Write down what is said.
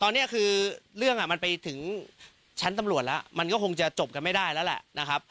ตอนนี้คือเรื่องมันไปถึงชั้นตำรวจแล้วมันก็คงจะจบกันไม่ได้แล้วแหละนะครับ